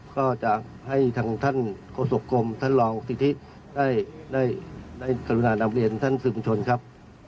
ก็จะให้ทางท่านโฆษกรมท่านรองสิทธิได้กรุณานำเรียนท่านสื่อมวลชนครับ